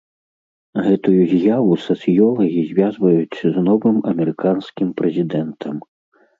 Гэтую з'яву сацыёлагі звязваюць з новым амерыканскім прэзідэнтам.